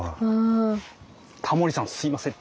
タモリさんすみません